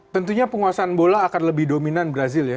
tentunya penguasaan bola akan lebih dominan brazil ya